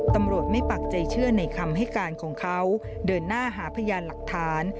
ตำรวจไม่ปักใจเชื่อในคำให้การของเขาเดินหน้าหาพยานหลักฐาน